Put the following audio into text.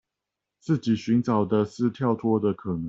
自己尋找的是跳脫的可能